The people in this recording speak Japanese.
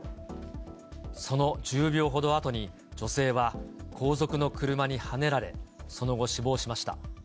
その１０秒ほどあとに女性は後続の車にはねられ、その後、死亡しました。